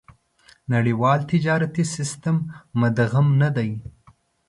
نړيوال تجارتي سېسټم مدغم نه دي.